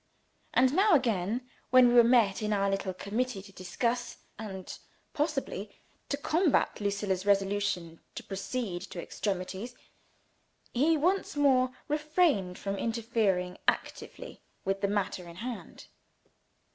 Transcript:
And now again, when we were met in our little committee to discuss, and possibly to combat, Lucilla's resolution to proceed to extremities, he once more refrained from interfering actively with the matter in hand.